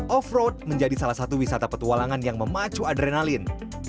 offroad menjadi salah satu wisata petualangan yang memacu adrenalin